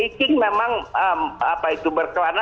icing memang apa itu berkeluarana